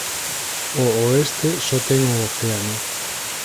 Ao oeste só ten o océano.